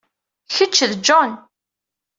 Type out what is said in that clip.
Kečč d John.